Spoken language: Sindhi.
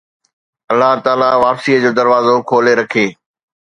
الله تعاليٰ واپسيءَ جو دروازو کولي رکي